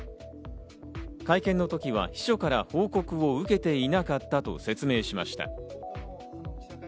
会見の時は秘書から報告を受けていなかったと説明しました。